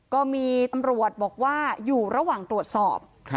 ก็มีตำรวจบอกว่าอยู่ระหว่างตรวจสอบ